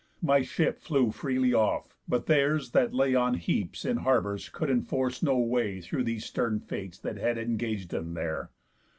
My ship flew freely off; but theirs that lay On heaps in harbours could enforce no way Through these stern fates that had engag'd them there.